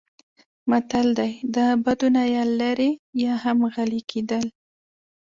متل دی: د بدو نه یا لرې یا هم غلی کېدل.